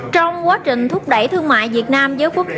trong quá trình thúc đẩy thương mại việt nam